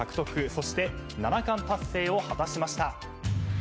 「そして七冠達成を果たしました」